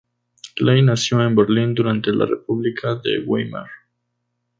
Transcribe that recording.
Klein nació en Berlín durante la República de Weimar.